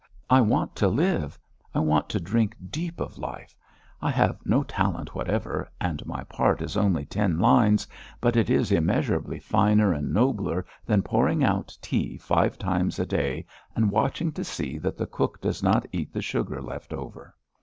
I want to live. I want to drink deep of life; I have no talent whatever, and my part is only ten lines, but it is immeasurably finer and nobler than pouring out tea five times a day and watching to see that the cook does not eat the sugar left over.